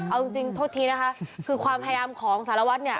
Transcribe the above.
เอาจริงโทษทีนะคะคือความพยายามของสารวัตรเนี่ย